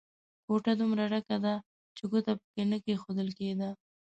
کوټه دومره ډکه ده چې ګوته په کې نه کېښول کېده.